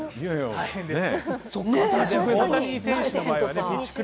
大変です。